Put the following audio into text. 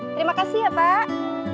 terima kasih ya pak